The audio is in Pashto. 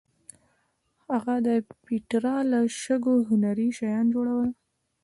هغه د پېټرا له شګو هنري شیان جوړول.